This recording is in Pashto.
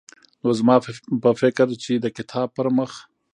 نو زما په فکر چې د کتاب پرمخ